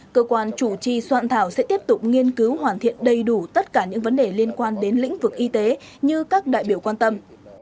cơ quan chủ trì soạn thảo sẽ tiếp tục nghiên cứu hoàn thiện đầy đủ tất cả những vấn đề liên quan đến lĩnh vực y tế như các đại biểu quan tâm